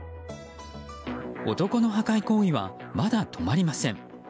男の破壊行為はまだ止まりません。